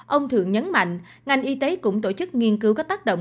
ông thượng nhấn mạnh ngành y tế cũng tổ chức nghiên cứu các tác động